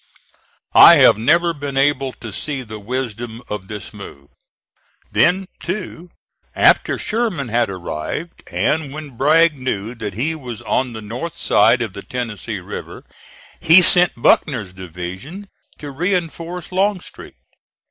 I have never been able to see the wisdom of this move. Then, too, after Sherman had arrived, and when Bragg knew that he was on the north side of the Tennessee River, he sent Buckner's division to reinforce Longstreet.